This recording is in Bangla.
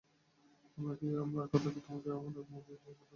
আমার কথা কি তোমাকে আমাদের মুরগি-খেকো বন্ধুটা বলেছে?